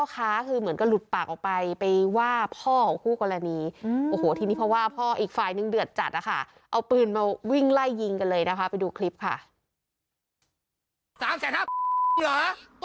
๓ศาสตร์ฮะปล้อนไม้มึงอยู่บ้านกูมึงไปเอามาให้หมด